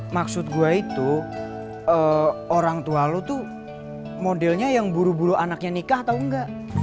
maksud gue itu orang tua lo tuh modelnya yang buru buru anaknya nikah atau enggak